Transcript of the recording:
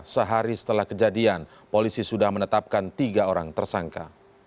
sehari setelah kejadian polisi sudah menetapkan tiga orang tersangka